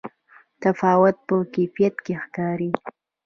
تفاوت په کیفیت کې ښکاري.